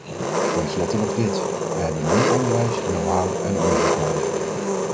Ten slotte nog dit: wij hebben meer onderwijs, knowhow en onderzoek nodig.